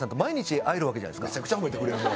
めちゃくちゃ褒めてくれるな。